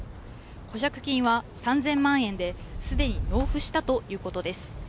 保釈金は３０００万円で、すでに納付したということです。